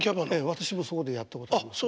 私もそこでやったことあります。